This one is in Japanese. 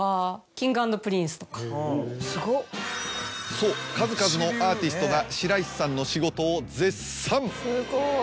そう数々のアーティストが白石さんの仕事を絶賛！